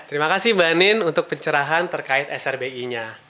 terima kasih mbak nin untuk pencerahan terkait srbi nya